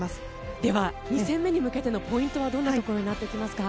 では２戦目に向けてのポイントはどんなところになってきますか？